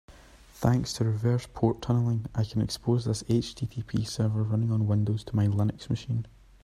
Thanks to reverse port tunneling, I can expose this HTTP server running on Windows to my Linux machine.